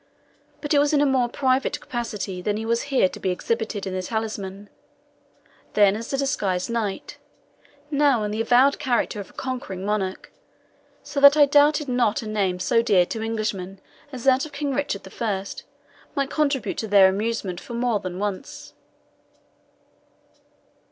But it was in a more private capacity than he was here to be exhibited in the Talisman then as a disguised knight, now in the avowed character of a conquering monarch; so that I doubted not a name so dear to Englishmen as that of King Richard I. might contribute to their amusement for more than once.